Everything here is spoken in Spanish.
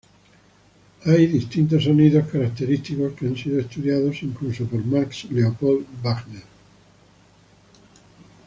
Hay distintos sonidos característicos que han sido estudiados incluso por Max Leopold Wagner.